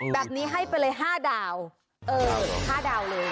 แบบนี้ให้ไปเลย๕ดาว๕ดาวเลย